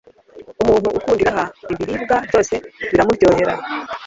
umuntu ukunda iraha, ibiribwa byose biramuryohera